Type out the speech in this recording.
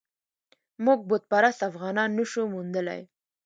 موږ بت پرست افغانان نه شو موندلای.